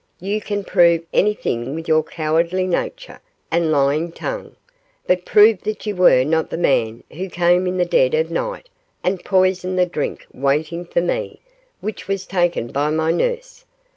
you can prove anything with your cowardly nature and lying tongue; but prove that you were not the man who came in the dead of night and poisoned the drink waiting for me, which was taken by my nurse.